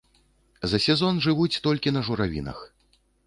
За сезон жывуць толькі на журавінах.